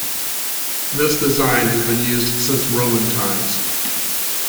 This design has been used since Roman times.